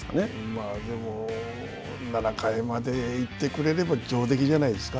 まあでも、７回まで行ってくれれば、上出来じゃないですか。